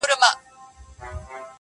چي په ښار او په مالت کي څه تیریږي!!!